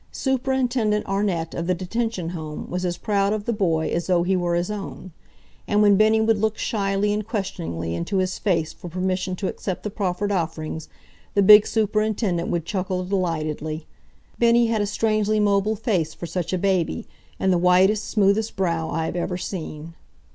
Superintendent Arnett of the Detention Home was as proud of the boy as though he were his own. And when Bennie would look shyly and questioningly into his face for permission to accept the proffered offerings, the big superintendent would chuckle delightedly. Bennie had a strangely mobile face for such a baby, and the whitest, smoothest brow I have ever seen.